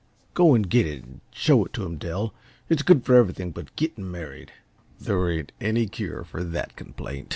Go and get it an' show it to him, Dell. It's good fer everything but gitting married there ain't any cure for that complaint."